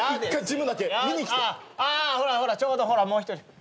あほらほらちょうどほらもう一人。